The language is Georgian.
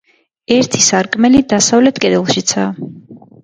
ერთი სარკმელი დასავლეთ კედელშიცაა.